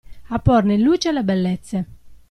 A porne in luce le bellezze.